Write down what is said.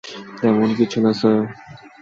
তেমন কিছু না, স্যার।